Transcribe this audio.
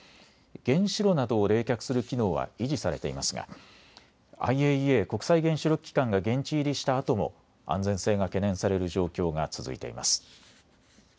原子炉などを冷却する機能は維持されていますがＩＡＥＡ・国際原子力機関が現地入りしたあとも安全性が懸念される状況が続いています。